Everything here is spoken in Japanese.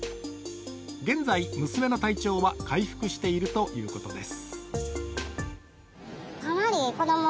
現在、娘の体調は回復しているということです。